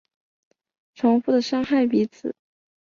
重复的伤害彼此